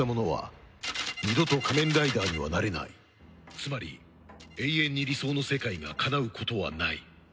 「つまり永遠に理想の世界が叶うことはない」